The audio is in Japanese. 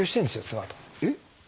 妻とえっ？